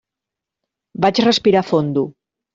Vaig respirar fondo.